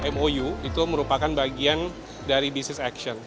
mou itu merupakan bagian dari business action